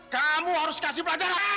kamu harus kasih pelajaran